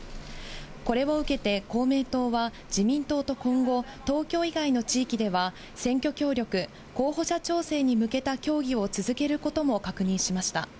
これを受けて、公明党は、自民党と今後、東京以外の地域では選挙協力、候補者調整に向けた協議を続けることを確認しました。